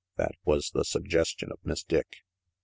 That was the suggestion of Miss Dick.